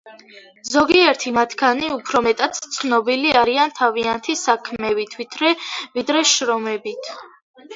ზოგიერთი მათგანი უფრო მეტად ცნობილი არიან თავიანთი საქმეებით, ვიდრე შრომებით.